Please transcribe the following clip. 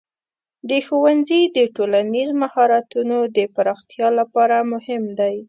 ښوونځی د ټولنیز مهارتونو د پراختیا لپاره مهم دی.